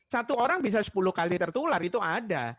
satu orang bisa sepuluh kali tertular itu ada